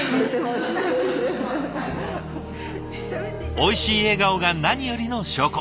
おいしい笑顔が何よりの証拠。